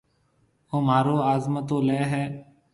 او مھارو آزمُوتو ليَ ھيََََ۔